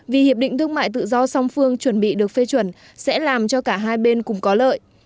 vì hiệp định thương mại tự do song phương chuẩn bị được phê chuẩn sẽ làm cho cả hai bên cùng có lợi